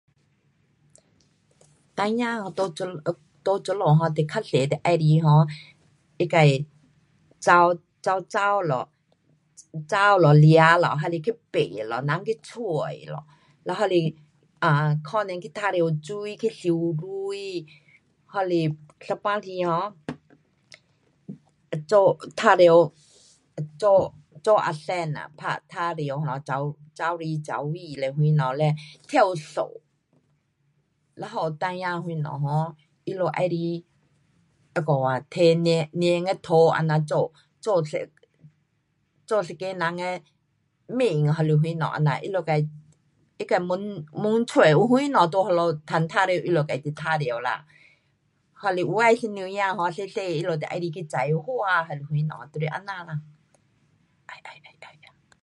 孩儿这这里[um]就较多都喜欢[um]他自去跑，跑跑咯，跑咯抓咯，还是人去躲咯，人去找咯，了还是[um]可能去玩耍水，去游泳，还是有半时[um]做，玩耍，做aseng呐，玩耍[um]跑来跑去嘞什么，嘞跳绳。嘞还有孩儿什么[um]他们喜欢那个啊拿粘的土这样做，做一个人的脸还是什么[um]，他自焖找有什么好玩耍他们自去玩耍啦，还是有些妇女儿小小个她们就喜欢去种花还是什么，就是这样啦。哎，哎，哎，哎。。。